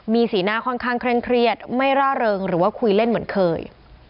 มีสีหน้าค่อนข้างเคร่งเครียดไม่ร่าเริงหรือว่าคุยเล่นเหมือนเคย